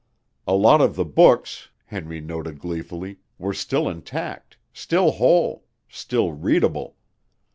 A lot of the books, Henry noted gleefully, were still intact, still whole, still readable.